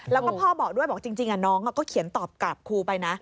แล้วก็พ่อบอกด้วยบอกจริงน้องก็เขียนตอบกลับครูไปนะ